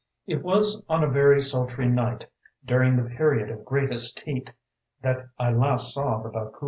* It was on a very sultry night, during the Period of Greatest Heat, that I last saw the Baku.